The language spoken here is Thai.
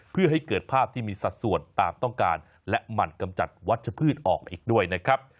เพื่อให้เกิดภาพที่มีสัดส่วนตามต้องการและหมั่นกำจัดวัชพืชออกอีกด้วยนะครับ